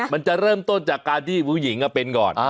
มันจะเริ่มต้นจากการที่ผู้หญิงเป็นก่อน